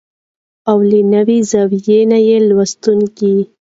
او له نوې زاويې نه يې لوستونکي